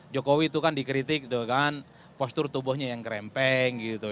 jokowi itu kan dikritik tuh kan postur tubuhnya yang kerempeng gitu